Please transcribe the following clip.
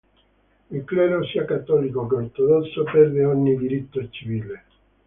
Il clero, sia cattolico che ortodosso, perde ogni diritto civile.